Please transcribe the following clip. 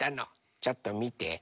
ちょっとみて。